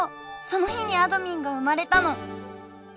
その日にあどミンが生まれたの。